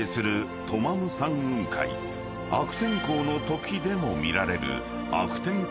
［悪天候のときでも見られる］